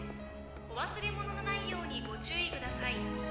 お忘れ物のないようにご注意下さい」。